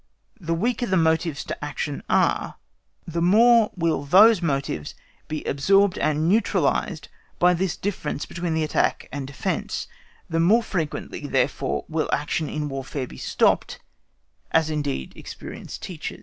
The weaker the motives to action are, the more will those motives be absorbed and neutralised by this difference between attack and defence, the more frequently, therefore, will action in warfare be stopped, as indeed experience teaches.